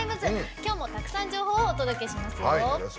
今日も、たくさん情報をお届けしますよ。